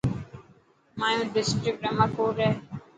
هايو ڊسٽرڪٽ عمر ڪوٽ هي.